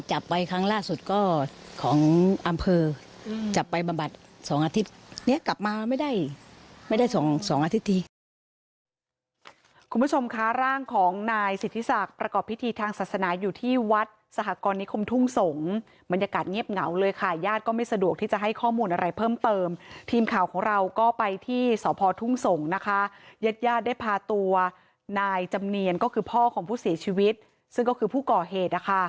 จับไปบำบัดสองอาทิตย์เนี้ยกลับมาไม่ได้ไม่ได้สองสองอาทิตย์ทีคุณผู้ชมคะร่างของนายสิทธิศักดิ์ประกอบพิธีทางศาสนาอยู่ที่วัดสหกรณิคมทุ่งสงมันยากาศเงียบเหงาเลยค่ะญาติก็ไม่สะดวกที่จะให้ข้อมูลอะไรเพิ่มเติมทีมข่าวของเราก็ไปที่สอบพอทุ่งสงนะคะเย็ดญาติได้พาตัวนายจำเนียนก็ค